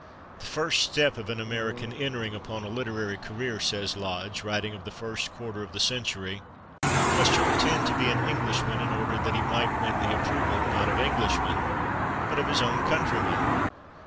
"The first step of an American entering upon a literary career," says Lodge, writing of the first quarter of the century, "was to pretend to be an Englishman in order that he might win the approval, not of Englishmen, but of his own countrymen."